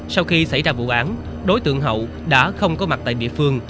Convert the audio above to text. sau khi xảy ra vụ án đối tượng hậu đã không có mặt tại địa phương